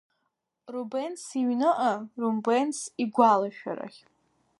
Рубенс иҩныҟа, Рубенс игәаларшәарахь.